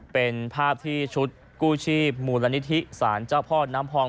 เป็นภาพที่ชุดกู้ชีพมูลนิธิสารเจ้าพ่อน้ำพอง